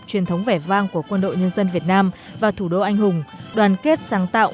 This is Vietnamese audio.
truyền thống vẻ vang của quân đội nhân dân việt nam và thủ đô anh hùng đoàn kết sáng tạo